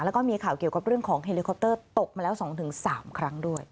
แล้วก็มีข่าวเกี่ยวกับเรื่องของเฮลิคอปเตอร์ตกมาแล้ว๒๓ครั้งด้วย